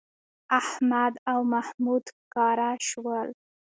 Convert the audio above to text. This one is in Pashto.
احمد او محمود ښکاره شول